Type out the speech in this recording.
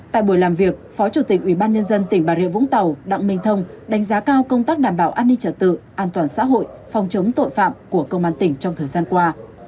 tại buổi làm việc phó chủ tịch ubnd tỉnh bà rịa vũng tàu đặng minh thông đánh giá cao công tác đảm bảo an ninh trật tự an toàn xã hội phòng chống tội phạm của công an tỉnh trong thời gian qua